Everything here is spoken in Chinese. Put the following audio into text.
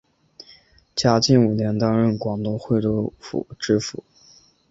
嘉靖五年担任广东惠州府知府。